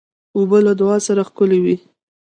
اوبه له دعا سره ښکلي وي.